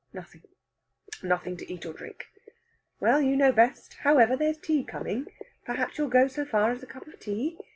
"Nothing nothing to eat or drink." "Well, you know best. However, there's tea coming; perhaps you'll go so far as a cup of tea?